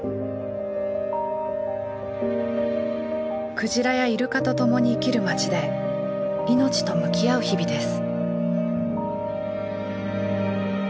クジラやイルカと共に生きる町で命と向き合う日々です。